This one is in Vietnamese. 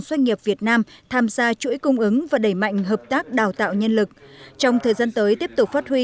doanh nghiệp việt nam tham gia chuỗi cung ứng và đẩy mạnh hợp tác đào tạo nhân lực trong thời gian tới tiếp tục phát huy